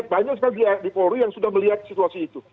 banyak sekali di polri yang sudah melihat situasi itu